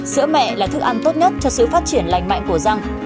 sữa mẹ là thức ăn tốt nhất cho sự phát triển lành mạnh của răng